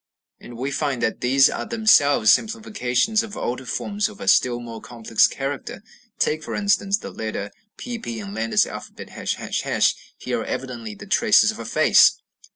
And we find that these are themselves simplifications of older forms of a still more complex character. Take, for instance, the letter pp in Landa's alphabet, ###: here are evidently the traces of a face.